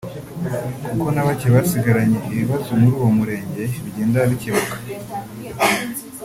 kuko na bake basigaranye ibibazo muri uwo murenge bigenda bikemuka